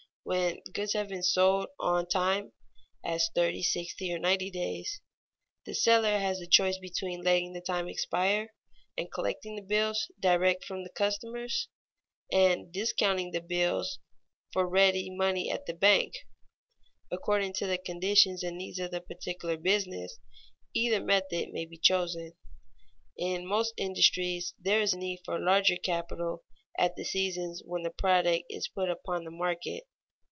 When goods have been sold on time (as thirty, sixty, or ninety days) the seller has the choice between letting the time expire and collecting the bills direct from the customers, and discounting the bills for ready money at the bank. According to the conditions and needs of the particular business, either method may be chosen. In most industries there is need for larger capital at the seasons when the product is put upon the market.